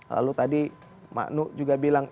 lalu tadi mak nu juga bilang